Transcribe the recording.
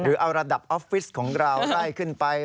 เอาระดับออฟฟิศของเราไล่ขึ้นไป